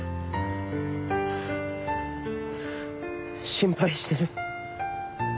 心配してる。